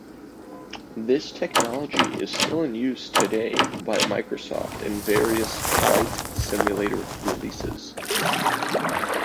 This technology is still in use today by Microsoft in various Flight Simulator releases.